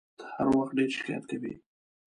ته هر وخت ډېر شکایت کوې !